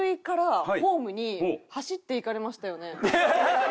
ハハハ！